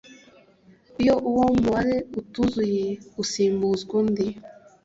iyo uwo mubare utuzuye usimbuzwa undi.